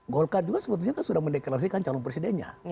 golkar juga sebetulnya kan sudah mendeklarasikan calon presidennya